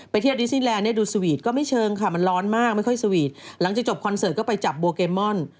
เที่ยวอดิซี่แลนดเนี่ยดูสวีทก็ไม่เชิงค่ะมันร้อนมากไม่ค่อยสวีทหลังจากจบคอนเสิร์ตก็ไปจับโบเกมอน